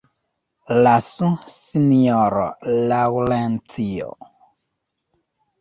Lasu, sinjoro Laŭrencio!